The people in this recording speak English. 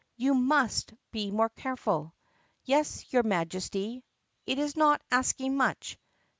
"You must be more careful." "Yes, your Majesty." "It is not asking much."